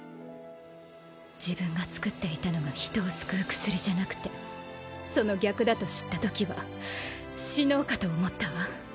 自分がつくっていたのが人を救う薬じゃなくてその逆だと知ったときは死のうかと思ったわ。